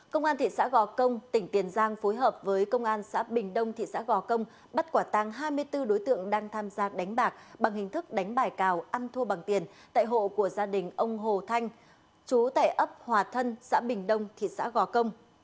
công an thị xã gò công tỉnh tiền giang phối hợp với công an xã bình đông thị xã gò công bắt quả tăng hai mươi bốn đối tượng đang tham gia đánh bạc bằng hình thức đánh bài cào ăn thua bằng tiền tại hộ của gia đình ông hồ thanh chú tại ấp hòa thân xã bình đông thị xã gò công